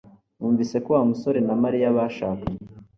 Numvise ko Wa musore na Mariya bashakanye